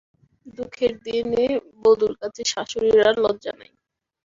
দুঃখের দিনে বধূর কাছে শাশুড়ির আর লজ্জা নাই।